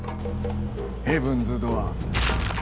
ヘブンズ・ドアー。